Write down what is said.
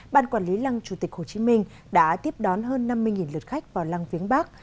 ban quản lý lăng chủ tịch hồ chí minh đã tiếp đón hơn năm mươi lượt khách vào lăng viếng bắc